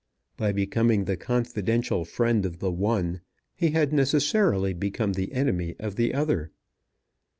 By becoming the confidential friend of the one he had necessarily become the enemy of the other.